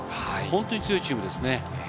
本当に強いチームですね。